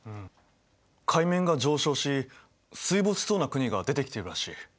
海面が上昇し水没しそうな国が出てきてるらしい。